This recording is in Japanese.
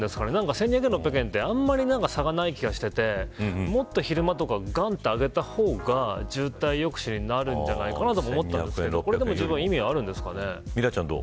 １２００円、６００円あまり差がない気がしててもっと昼間とかがんと上げた方が渋滞抑止になるんじゃないかとも思ったんですけどこれでも、じゅうぶん意味があるんですかね。